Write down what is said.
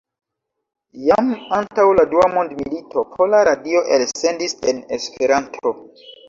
Jam antaŭ la dua mondmilito Pola Radio elsendis en Esperanto.